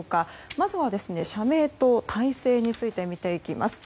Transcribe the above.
まずは社名と体制について見ていきます。